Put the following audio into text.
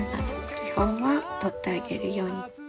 気泡は取ってあげるように。